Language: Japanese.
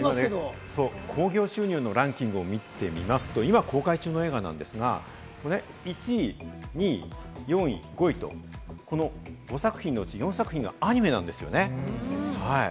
興行収入ランキングを見てみますと、今公開中の映画なんですが、１位、２位、４位、５位と５作品のうち４作品がアニメなんですよね。